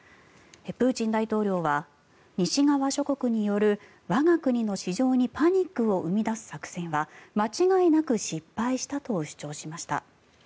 プーチン大統領は西側諸国による我が国の市場にパニックを生み出す作戦は間違いなく失敗したと主張しました。